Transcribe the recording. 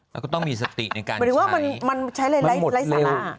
แล้วก็ต้องมีสติในการหมายถึงว่ามันใช้ไร้สาระ